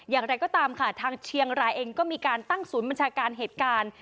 อย่างไรก็ตามค่ะทางเชียงรายเองก็มีการตั้งศูนย์บัญชาการเหตุการณ์